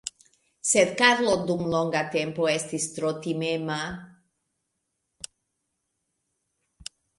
Sed Karlo dum longa tempo estis tro timema.